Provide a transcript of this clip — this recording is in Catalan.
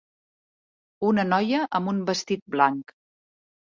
Una noia amb un vestit blanc